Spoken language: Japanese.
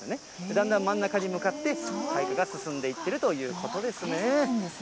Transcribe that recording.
だんだん真ん中に向かって開花が進んでいってるということですね。